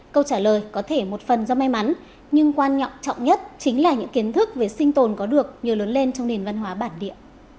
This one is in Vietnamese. câu trả lời có thể một phần do may mắn nhưng quan trọng trọng nhất chính là những kiến thức về sinh tồn có được nhờ lớn lên trong nền văn hóa bản địa